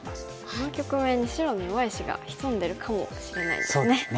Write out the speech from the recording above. この局面に白の弱い石が潜んでるかもしれないですね。